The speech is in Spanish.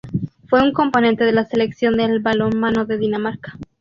Fue un componente de la Selección de balonmano de Dinamarca.